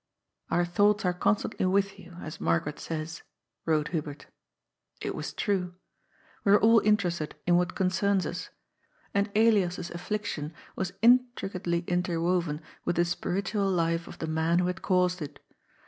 "Our thoughts are constantly with you, as Margaret says," wrote Hubert. It was true. We are all in terested in what concerns us ; and Elias's affliction was in tricately interwoven with the spiritual life of the man who had caused it.